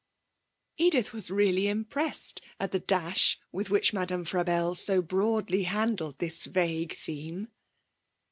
Edith was really impressed at the dash with which Madame Frabelle so broadly handled this vague theme.